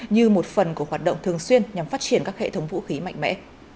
như một phần của hoạt động thường xuyên nhằm phát triển các hệ thống vũ khí mạnh mẽ